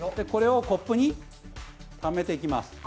これをコップにためていきます。